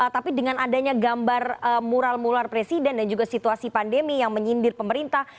tapi dengan adanya gambar mural mural presiden dan juga situasi pandemi yang menyindir pemerintah